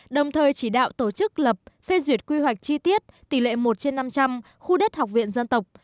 đồng thời chỉ đạo tổ chức lập phê duyệt quy hoạch chi tiết tỷ lệ một trên năm trăm linh khu đất học viện dân tộc